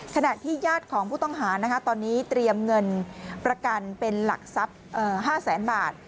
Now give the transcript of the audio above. ขณะที่ญาติของผู้ต้องหาตอนนี้เตรียมเงินประกันเป็นหลักทรัพย์๕แสนบาท